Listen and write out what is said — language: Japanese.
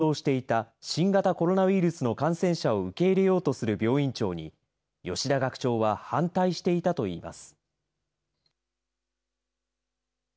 市内で急増していた新型コロナウイルスの感染者を受け入れようとする病院長に、吉田学長は反対していたといいます。